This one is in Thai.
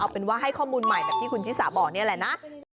เป็นว่าให้ข้อมูลใหม่แบบที่คุณชิสาบอกนี่แหละนะ